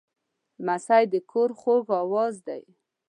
لمسی د کور خوږ آواز دی.